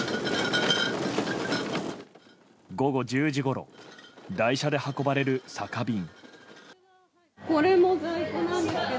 午後１０時ごろ台車で運ばれる酒瓶。